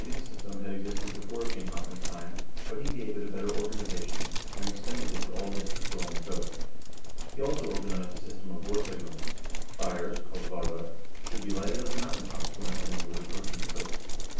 166 HISTORY OF THE NORWEGIAN PEOPLE system had existed before King Haakon's time, but he gave it a better organization, and extended it to all districts along the coast. He also organized a system of war signals. Fires, called varder, should be lighted on the mountain tops when an enemy was approach ing the coast.